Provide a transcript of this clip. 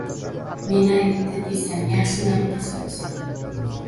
Meni aytdi deysan, yaxshi narxga sotasan